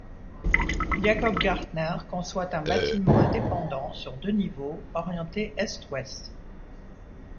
Jakob Gartner conçoit un bâtiment indépendant sur deux niveaux, orienté est-ouest.